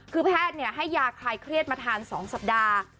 คือแพทย์ให้ยาคลายเครียดมาทาน๒สัปดาห์